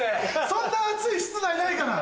そんな暑い室内ないから。